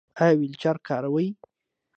ایا ویلچیر کاروئ؟